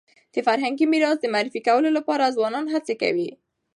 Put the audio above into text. د فرهنګي میراث د معرفي کولو لپاره ځوانان هڅي کوي